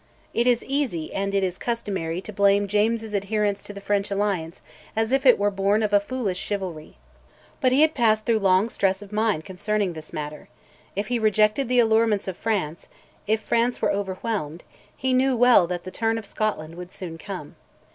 It is easy, and it is customary, to blame James's adherence to the French alliance as if it were born of a foolish chivalry. But he had passed through long stress of mind concerning this matter. If he rejected the allurements of France, if France were overwhelmed, he knew well that the turn of Scotland would come soon.